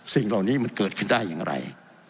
สิ่งเหล่านี้มันเกิดขึ้นได้อย่างไร